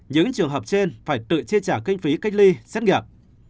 những trường hợp trên phải tự chi trả kinh phí cách ly xét nghiệm